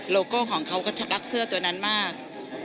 โก้ของเขาก็ชำรักเสื้อตัวนั้นมาก